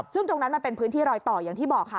ซึ่งตรงนั้นมันเป็นพื้นที่รอยต่ออย่างที่บอกค่ะ